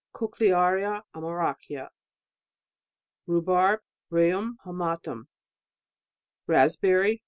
• Cochlearia armoracia Rhubarb .... Rheum palmatum. Raspberry